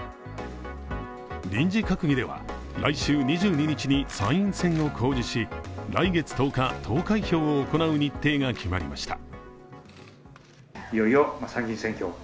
臨時閣議では、来週２２日に参院選を公示し、来月１０日投開票を行う日程が決まりました。